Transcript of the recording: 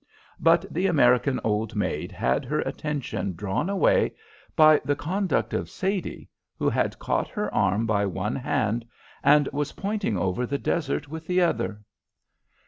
But the American old maid had her attention drawn away by the conduct of Sadie, who had caught her arm by one hand and was pointing over the desert with the other.